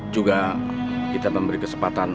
juga kita memberi kesempatan